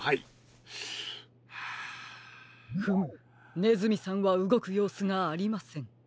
フムねずみさんはうごくようすがありません。